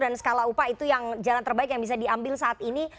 dan skala upah itu yang jalan terbaik yang bisa diambil saat ini